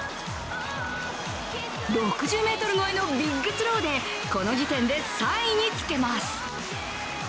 ６０ｍ越えのビッグスローでこの時点で３位につけます。